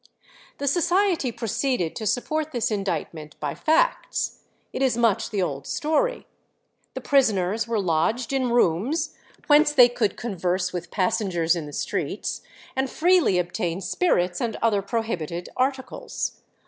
The Society proceeded to support this indictment by facts. It is much the old story. The prisoners were lodged in rooms whence they could converse with passengers in the streets, and freely obtain spirits and other prohibited articles.